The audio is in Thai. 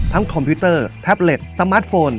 คอมพิวเตอร์แท็บเล็ตสมาร์ทโฟน